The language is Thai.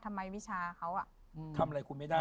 ทำไมวิชาเขาอะทำอะไรคุณไม่ได้